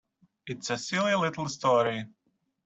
It's a silly little story.